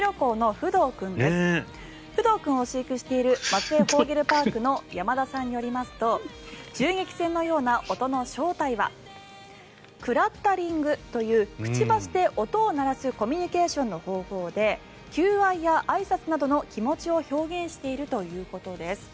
フドウ君を飼育している松江フォーゲルパークの山田さんによりますと銃撃戦のような音の正体はクラッタリングというくちばしで音を鳴らすコミュニケーションの方法で求愛やあいさつなどの気持ちを表現しているということです。